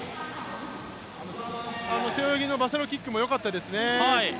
背泳ぎのバサロキックもよかったですね。